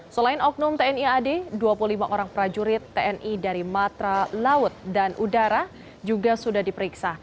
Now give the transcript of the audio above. selain oknum tni ad dua puluh lima orang prajurit tni dari matra laut dan udara juga sudah diperiksa